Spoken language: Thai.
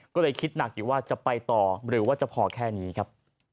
ก็เลยคิดหนักอยู่ว่าจะไปต่อหรือว่าจะพอแค่นี้ครับ